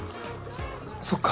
そっか。